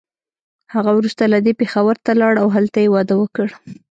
هغه وروسته له دې پېښور ته لاړه او هلته يې واده وکړ.